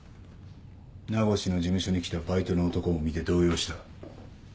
名越の事務所に来たバイトの男を見て動揺した。